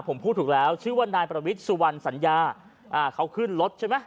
ผมพูดถูกแล้วชื่อว่านายประวิทย์สุวรรณสัญญาอ่าเขาขึ้นรถใช่ไหม